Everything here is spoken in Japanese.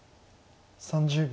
３０秒。